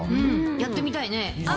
やってみたいね。